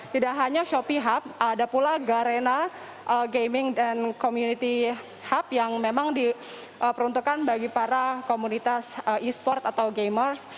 tidak hanya shopee hub ada pula garena gaming dan community hub yang memang diperuntukkan bagi para komunitas e sport atau gamers